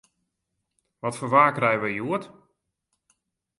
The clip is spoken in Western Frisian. Wat foar waar krije we hjoed?